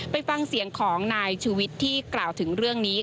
ไปฟังเสียงของนายชูวิทย์ที่กล่าวถึงเรื่องนี้